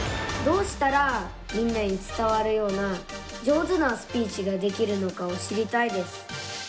どうしたらみんなに伝わるような上手なスピーチができるのかを知りたいです。